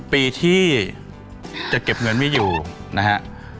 ปีที่จะเก็บเงินไม่อยู่นะฮะ